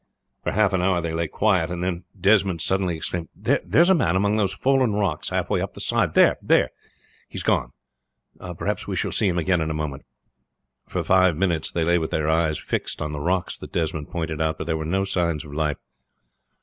For half an hour they lay quiet, then Desmond suddenly exclaimed: "There is a man among those fallen rocks halfway up the side. There! he is gone. Perhaps we shall see him again in a moment." For five minutes they lay with their eyes fixed on the rocks that Desmond pointed out, but there were no signs of life.